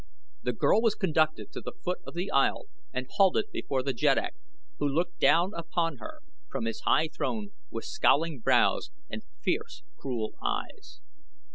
The girl was conducted to the foot of the aisle and halted before the jeddak, who looked down upon her from his high throne with scowling brows and fierce, cruel eyes.